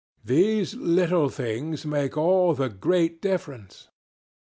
These little things make all the great difference.